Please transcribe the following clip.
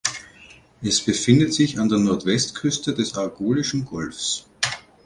Es befindet sich an der Nordwestküste des Argolischen Golfs.